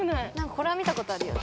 これは見たことあるよ